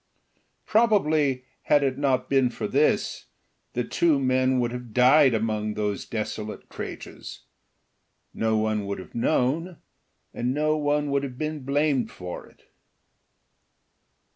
Probably had it not been for this the two men would have died among those desolate craters; no one would have known, and no one could have been blamed for it.